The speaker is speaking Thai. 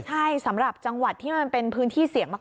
ใช่สำหรับจังหวัดที่มันเป็นพื้นที่เสี่ยงมาก